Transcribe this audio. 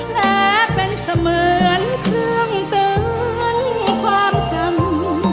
และเป็นเสมือนเครื่องเตือนความจำ